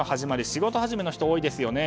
仕事始めの人多いですよね。